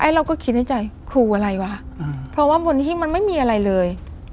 เราก็คิดในใจครูอะไรวะเพราะว่าบนหิ้งมันไม่มีอะไรเลย